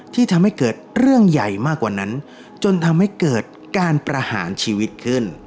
ที่ทำให้เกิดเรื่องใหญ่มากกว่านั้นจนทำให้เกิดการประหารชีวิตขึ้น